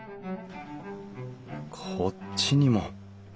こっちにも。